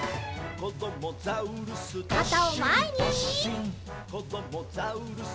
「こどもザウルス